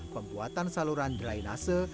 pembuatan saluran dry nasa